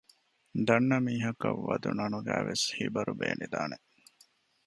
ދަންނަ މީހަކަށް ވަދު ނަނުގައިވެސް ހިބަރު ބޭނިދާނެ